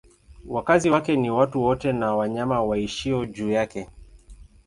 Wakazi wake ni watu wote na wanyama waishio juu yake.